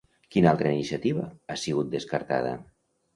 Quina altra iniciativa ha sigut descartada?